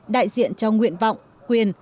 đại diện cho nguyện vọng quyền